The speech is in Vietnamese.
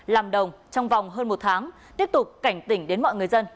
làm đồng trong vòng hơn một tháng tiếp tục cảnh tỉnh đến mọi người dân